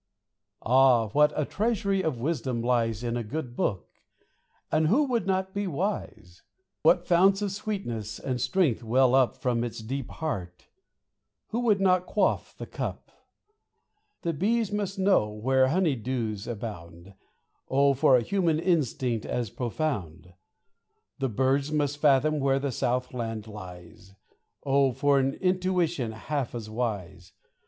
] Ah, what a treasury of wisdom lies In a good book ! and who would not be wise ? What founts of sweetness and of strength well up From its deep heart ! who would not quaff the cup? The bees must know where honey dews abound ; Oh, for a human instinct as profound ! The birds must fathom where the south land lies; Oh, for an intuition half as wise